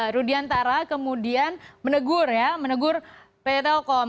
rudiantara kemudian menegur ya menegur pt telkom